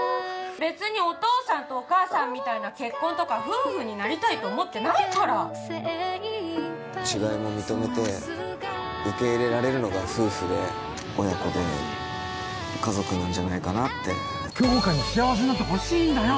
別にお父さんとお母さんみたいな結婚とか夫婦になりたいと思ってないから違いも認めて受け入れられるのが夫婦で親子で家族なんじゃないかなって杏花に幸せになってほしいんだよ